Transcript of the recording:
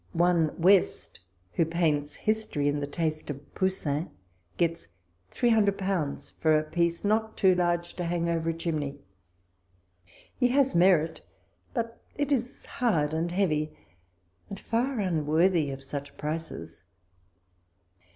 One West, who paints history in the taste of Poussin, gets three hundred pounds for a piece not too large to hang over a chimney. He has merit, but is hard and heavy, and far unworthy of such prices.